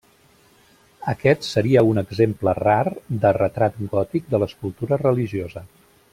Aquest seria un exemple rar de retrat gòtic de l'escultura religiosa.